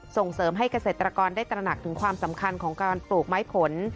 ส่งเสริมให้เกษตรกรได้ตระหนักถึงความสำคัญของการปลูกไม้ผล